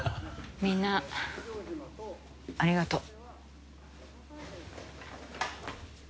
みんなありがとう。